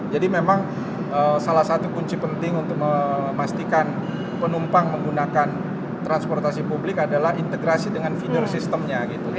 jadi memang salah satu kunci penting untuk memastikan penumpang menggunakan transportasi publik adalah integrasi dengan vendor systemnya